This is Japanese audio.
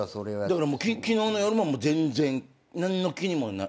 だから昨日の夜も全然何の気にもならなく？